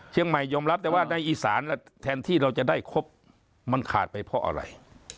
ยอมรับแต่ว่าในอีสานแทนที่เราจะได้ครบมันขาดไปเพราะอะไร